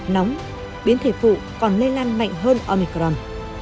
nóng biến thể phụ còn lây lan mạnh hơn omicron